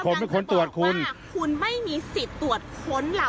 คุณไม่มีสิทธิ์ตรวจคนเรา